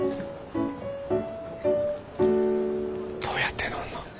どうやって乗るの？